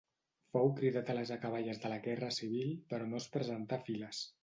Fou cridat a les acaballes de la Guerra Civil però no es presentà a files.